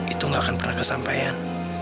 itu gak akan pernah kesampaian